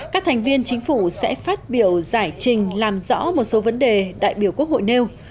các thành viên chính phủ sẽ phát biểu giải trình làm rõ một số vấn đề đại biểu quốc hội nêu